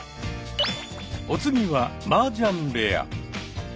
お次はマージャン部屋。